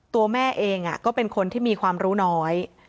ตัวแม่เองก็เป็นคนที่มีความรู้น้อย